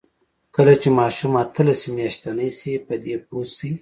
کله چې ماشوم اتلس میاشتنۍ شي، په دې پوه شي.